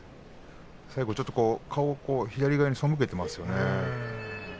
ちょっと顔を左側に背けてますね。